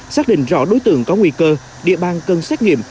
xác định rõ đối tượng có nguy cơ địa bàn cần xét nghiệm